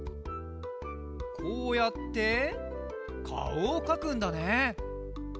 こうやってかおをかくんだね。